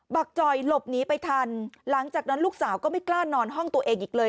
ักจอยหลบหนีไปทันหลังจากนั้นลูกสาวก็ไม่กล้านอนห้องตัวเองอีกเลย